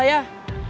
aku mau pergi